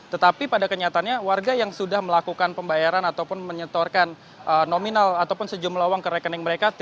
tetapi pada kenyataannya warga yang sudah melakukan pembayaran ataupun menyetorkan nominal ataupun sejumlah uang ke rekening mereka